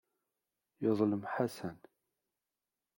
Yeḍlem Ḥasan.